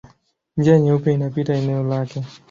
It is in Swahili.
Njia Nyeupe inapita eneo lake.